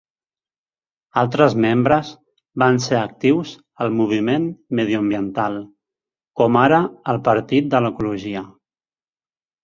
Altres membres van ser actius al moviment mediambiental, com ara el Partit de l'Ecologia.